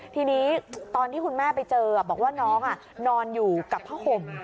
ทีนี้ตอนที่คุณแม่ไปเจอบอกว่าน้องนอนอยู่กับผ้าห่ม